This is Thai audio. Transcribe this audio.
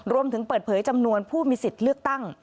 รวมถึงเปิดเผยจำนวนผู้มีสิทธิ์เลือกตั้ง